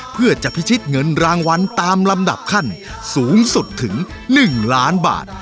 เพื่อจะพิชิตเงินรางวัลตามลำดับขั้นสูงสุดถึง๑ล้านบาท